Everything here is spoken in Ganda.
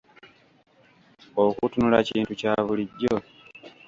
Okutunula kintu kya bulijjo.